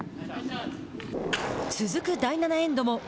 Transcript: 続く第７エンドも。